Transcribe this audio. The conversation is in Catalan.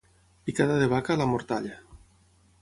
Picada de vaca, la mortalla.